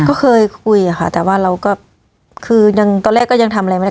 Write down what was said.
ก็เคยคุยค่ะแต่ว่าเราก็คือยังตอนแรกก็ยังทำอะไรไม่ได้